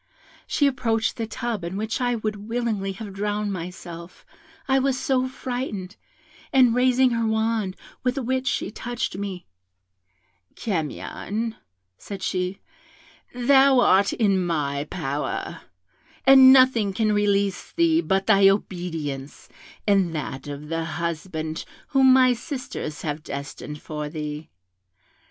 She approached the tub, in which I would willingly have drowned myself, I was so frightened, and raising her wand, with which she touched me 'Camion,' said she, 'thou art in my power, and nothing can release thee but thy obedience and that of the husband whom my sisters have destined for thee.